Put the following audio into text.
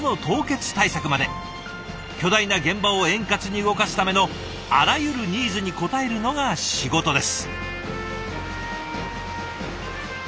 巨大な現場を円滑に動かすためのあらゆるニーズに応えるのが仕事です。